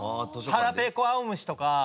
『はらぺこあおむし』とか。